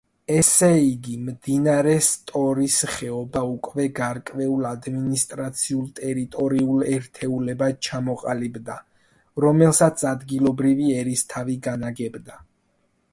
ესე იგი მდინარე სტორის ხეობა უკვე გარკვეულ ადმინისტრაციულ-ტერიტორიულ ერთეულებად ჩამოყალიბდა, რომელსაც ადგილობრივი ერისთავი განაგებდა.